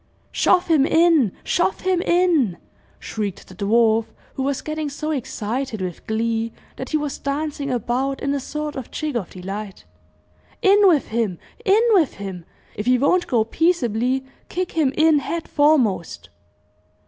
"I Shove him in! shove him in!" shrieked the dwarf, who was getting so excited with glee that he was dancing about in a sort of jig of delight. "In with him in with him! If he won't go peaceably, kick him in head foremost!"